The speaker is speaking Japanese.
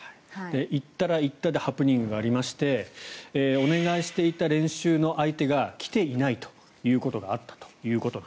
行ったら行ったでハプニングがありましてお願いしていた練習の相手が来ていないということがあったと。